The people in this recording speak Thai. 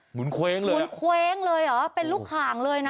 หุนเคว้งเลยหุนเคว้งเลยเหรอเป็นลูกข่างเลยนะ